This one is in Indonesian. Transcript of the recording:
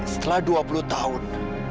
setelah dua puluh tahun